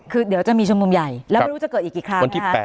คือเดี๋ยวจะมีชุมนุมใหญ่แล้วไม่รู้จะเกิดอีกกี่ครั้งนะคะ